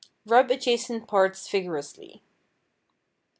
Rub adjacent parts vigorously.